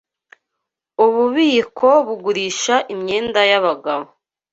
Ububiko bugurisha imyenda yabagabo.